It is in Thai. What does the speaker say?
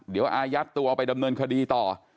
เดี๋ยวอายัดตัวไปดำเนินคดีต่อ